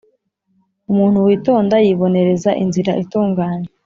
umuntu witonda yibonereza inzira itunganye